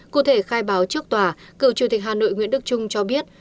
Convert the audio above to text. cụ thể khai báo trước tòa cựu chủ tịch hà nội nguyễn đức trung cho biết